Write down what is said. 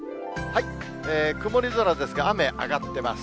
曇り空ですが、雨、上がってます。